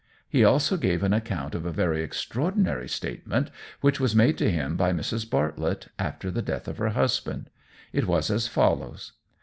He also gave an account of a very extraordinary statement, which was made to him by Mrs. Bartlett after the death of her husband. It was as follows.